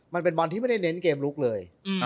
มันเป็นบอลที่ไม่ได้เน้นเกมลุกเลย